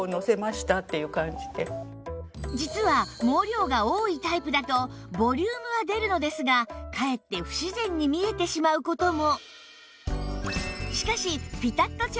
実は毛量が多いタイプだとボリュームは出るのですがかえって不自然に見えてしまう事も